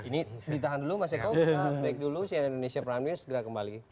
ini ditahan dulu mas eko kita break dulu sian indonesia prime news segera kembali